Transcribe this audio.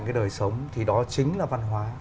cái đời sống thì đó chính là văn hoá